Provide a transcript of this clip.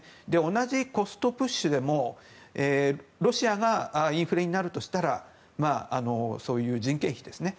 同じコストプッシュでもロシアがインフレになるとしたらそういう人件費ですね。